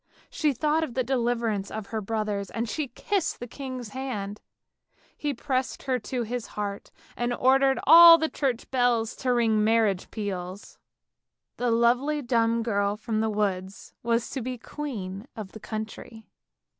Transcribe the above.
She thought of the deliverance of her brothers, and she kissed the king's hand; he pressed her to his heart, and ordered all the church bells to ring marriage peals. The lovely dumb girl from the woods was to be queen of the country.